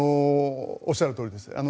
おっしゃるとおりです。